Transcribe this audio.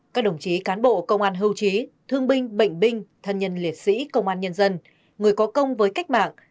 các đồng chí cán bộ công an hưu trí thương binh bệnh binh thân nhân liệt sĩ công an nhân dân người có công với cách mạng